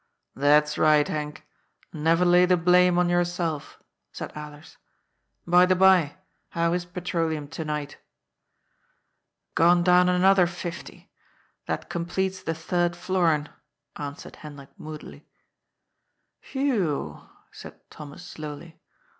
" That's right, Henk. Never lay the blame on yourself," said Alers. " By the bye, how is petroleum to night ?" "Gone down another fifty. That completes the third florin," answered Hendrik moodily. " Whew I " said Thomas slowly.